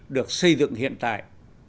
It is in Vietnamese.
được xây dựng hiện tại